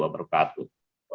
pak azrul silakan